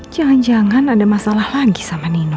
jangan jangan ada masalah lagi sama nino